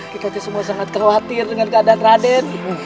kita itu semua sangat khawatir dengan keadaan raden